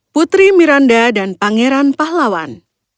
putri miranda dan pangeran pahlawan